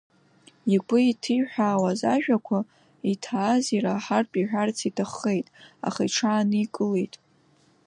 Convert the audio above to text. Игәы иҭиҳәаауаз ажәақәа, иҭааз ираҳартә иҳәарц иҭаххеит, аха иҽааникылеит.